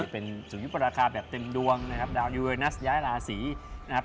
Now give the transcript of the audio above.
เป็นสุริยุปราคาแบบเต็มดวงนะครับดาวยูเรนัสย้ายราศีนะครับ